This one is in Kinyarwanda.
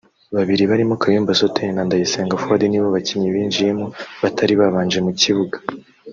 Babiri barimo Kayumba Soter na Ndayisenga Fuad ni bo bakinnyi binjiyemo batari babanje mu kibuga